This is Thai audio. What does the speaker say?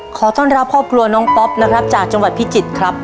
ขอต้อนรับครอบครัวน้องป๊อปนะครับจากจังหวัดพิจิตรครับ